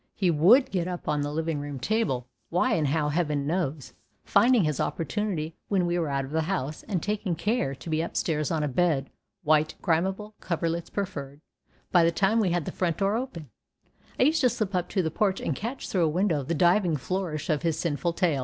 He would get up on the living room table, why and how, heaven knows, finding his opportunity when we were out of the house, and taking care to be upstairs on a bed—white, grimeable coverlets preferred—by the time we had the front door open; I used to slip up to the porch and catch through a window the diving flourish of his sinful tail.